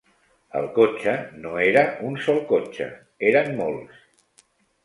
El cotxe no era un sol cotxe eren molts.